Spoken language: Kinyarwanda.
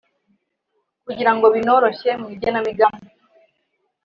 kugira ngo binoroshye mu igenamigambi